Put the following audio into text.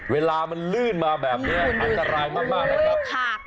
เวลามันลื่นมาแบบนี้อันตรายมากนะครับ